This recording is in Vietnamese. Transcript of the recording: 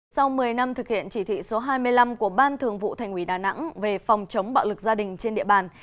sau một mươi năm thực hiện chỉ thị số hai mươi năm của ban thường vụ thành ủy đà nẵng về phòng chống bạo lực gia đình trên địa bàn